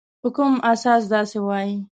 په کوم اساس داسي وایې ؟